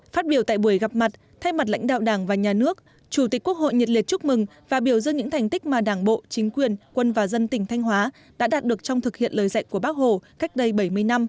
phát biểu tại buổi gặp mặt thay mặt lãnh đạo đảng và nhà nước chủ tịch quốc hội nhiệt liệt chúc mừng và biểu dương những thành tích mà đảng bộ chính quyền quân và dân tỉnh thanh hóa đã đạt được trong thực hiện lời dạy của bác hồ cách đây bảy mươi năm